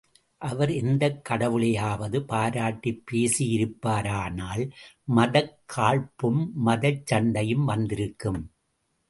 அவர் எந்தக் கடவுளையாவது பாராட்டிப் பேசியிருப்பாரானால் மதக்காழ்ப்பும், மதச் சண்டையும் வந்திருக்கும்.